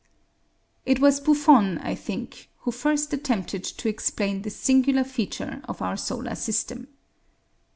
It was Buffon, I think, who first attempted to explain this singular feature of our solar system.